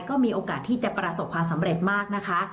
ก็มีโอกาสที่จะประสบความสำเร็จมากนะคะ